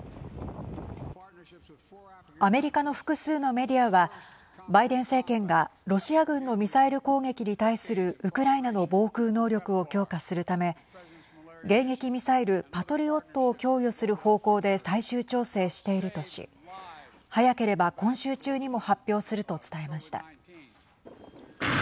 アメリカの複数のメディアはバイデン政権がロシア軍のミサイル攻撃に対するウクライナの防空能力を強化するため迎撃ミサイルパトリオットを供与する方向で最終調整しているとし早ければ今週中にも発表すると伝えました。